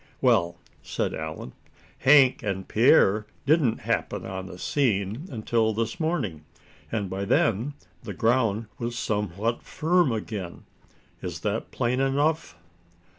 "Well," said Allan, "Hank and Pierre didn't happen on the scene until this morning, and by then the ground was somewhat firm again. Is that plain enough?"